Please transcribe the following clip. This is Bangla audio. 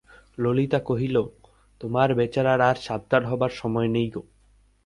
ললিতা কহিল, তোমার বেচারার আর সাবধান হবার সময় নেই গো।